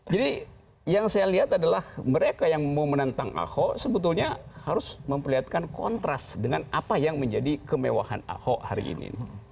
jadi yang saya lihat adalah mereka yang mau menentang ahok sebetulnya harus memperlihatkan kontras dengan apa yang menjadi kemewahan ahok hari ini